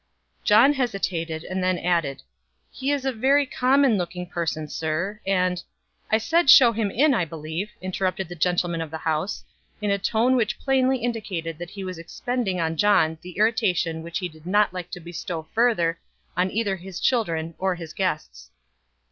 John hesitated, and then added: "He is a very common looking person, sir, and " "I said show him in, I believe," interrupted the gentleman of the house, in a tone which plainly indicated that he was expending on John the irritation which he did not like to bestow further, on either his children or his guests.